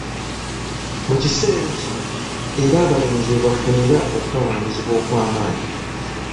Mu kiseera kino era abalenzi we bafunira okutawaanyizibwa okwamaanyi.